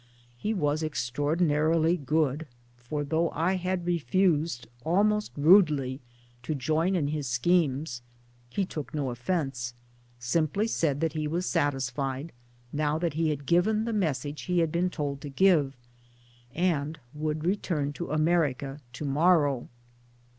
He was extraordinarily good ; for though I had refused, almost rudely, to join in his schemes, he took no offence simply said that he was satisfied, now that he had given the message he had been told to give, and would return to America " to morrow."